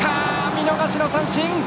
見逃しの三振！